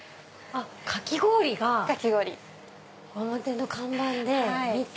かき氷が表の看板で見て。